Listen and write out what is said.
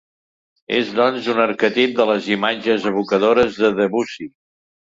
És doncs, un arquetip de les imatges evocadores de Debussy.